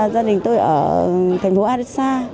gia đình tôi ở thành phố arisa